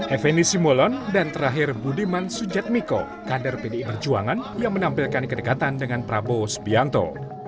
effendi simbolon dan terakhir budiman sujatmiko kader pdi perjuangan yang menampilkan kedekatan dengan prabowo subianto